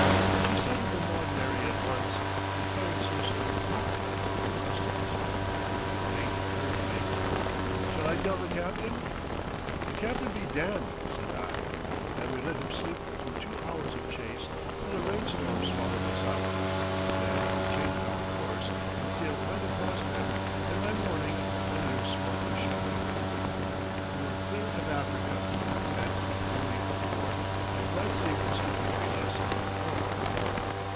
She sighted the Maud Mary at once, and fired some sort of popgun to arrest us. The mate turned to me. "Shall I tell the captain?" "The captain be damned" said I, and we let him sleep through two hours of chase till a rainstorm swallowed us up. Then we changed our course and sailed right across them, and by morning only her smoke was showing. We were clear of Africa—and with the booty aboard I did not see what stood between us and home.